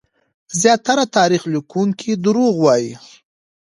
زياتره تاريخ ليکونکي دروغ وايي.